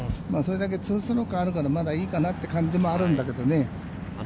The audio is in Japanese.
２ストロークあるから、まだいいかなという感じもあるんだけれどね。